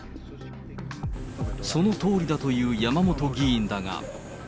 そのとおりだと言う山本議員だが。